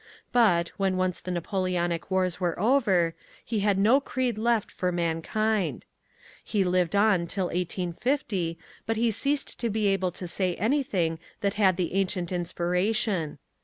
But, when once the Napoleonic Wars were over, he had no creed left for mankind. He lived on till 1850, but he ceased to be able to say anything that had the ancient inspiration.